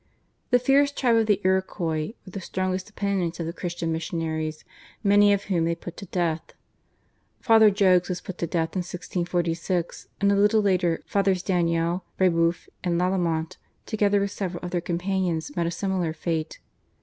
The fierce tribe of the Iroquois were the strongest opponents of the Christian missionaries, many of whom they put to death. Father Jogues was put to death in 1646, and a little later Fathers Daniel, Brebeuf, and Lallement together with several of their companions met a similar fate.